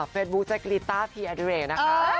เฟซบุ๊กจักรีต้าพี่อาดิเรย์